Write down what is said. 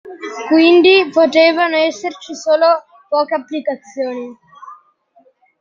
Quindi potevano esserci solo poche applicazioni.